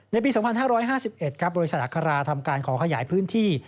ปี๒๕๕๑ครับบริษัทอัคราทำการขอขยายพื้นที่